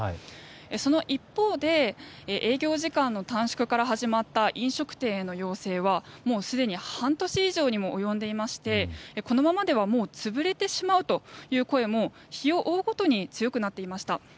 その一方で、営業時間の短縮から始まった飲食店への要請はもうすでに半年以上にも及んでいましてこのままでは潰れてしまうという声も日を追うごとに強くなっていました。